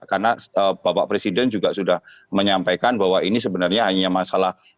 karena bapak presiden juga sudah menyampaikan bahwa ini sebenarnya hanya masalah